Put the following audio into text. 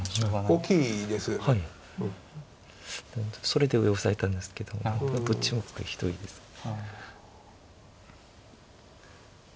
それで上オサえたんですけどどっちもこれひどいですね。